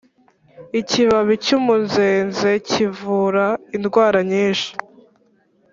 ikibabi cy umunzenze kivura indwara nyinshi